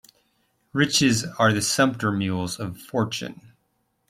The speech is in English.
Riches are the sumpter mules of fortune.